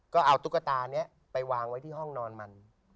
ก็เอาตุ๊กตานี้ไปวางไว้ที่ห้องนอนมัน